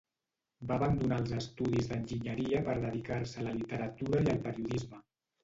Va abandonar els estudis d'enginyeria per dedicar-se a la literatura i al periodisme.